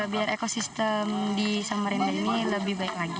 biar ekosistem di samarinda ini lebih baik lagi